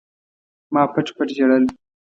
ما پټ پټ ژړل.